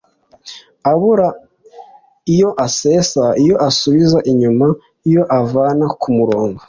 abura iyo asesa: iyo asubiza inyuma, iyo avana ku murongo